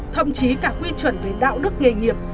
thậm chí cả quy chuẩn về đạo đức nghề nghiệp